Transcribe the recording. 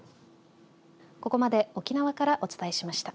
ここまで沖縄からお伝えしました。